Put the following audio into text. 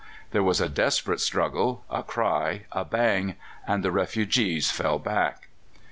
There was a desperate struggle, a cry, a bang, and the refugees fell back."